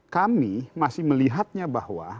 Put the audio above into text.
kami masih melihatnya bahwa